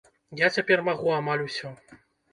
Я цяпер магу амаль усё.